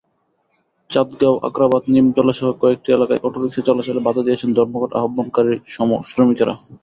চান্দগাঁও, আগ্রাবাদ, নিমতলাসহ কয়েকটি এলাকায় অটোরিকশা চলাচলে বাধা দিয়েছেন ধর্মঘট আহ্বানকারী শ্রমিকেরা।